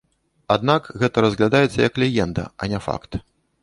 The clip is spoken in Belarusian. Аднак гэта разглядаецца як легенда, а не факт.